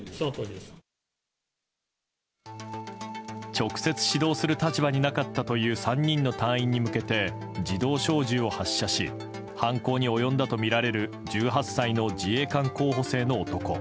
直接指導する立場になかったという３人の隊員に向けて自動小銃を発射し犯行に及んだとみられる１８歳の自衛官候補生の男。